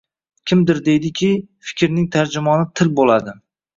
Kimdir deydiki, fikrning tarjimoni til bo‘ladi